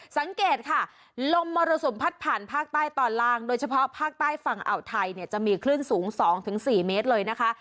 สังเกตค่ะลมมรสุมพัดผ่านภาคใต้ตอนล่างโดยเฉพาะภาคใต้ฝั่งอ่าวไทยเนี่ยจะมีคลื่นสูง๒๔เมตรเลยนะคะ